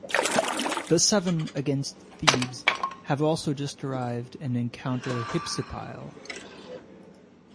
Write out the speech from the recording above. The Seven against Thebes have also just arrived and encounter Hypsipyle.